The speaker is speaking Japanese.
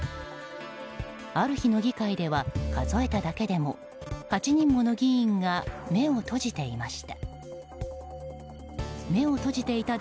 ある日の議会では数えただけでも８人もの議員が目を閉じていました。